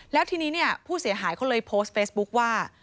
แล้วทีนี้เนี่ยผู้เสียหายเขาเลยโพสต์เฟซบุ๊คว่า